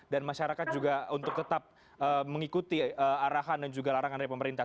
dan masyarakat juga untuk tetap mengikuti arahan dan juga larangan dari pemerintah